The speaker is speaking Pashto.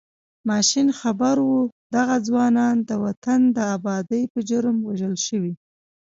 ماشین خبر و دغه ځوانان د وطن د ابادۍ په جرم وژل شوي.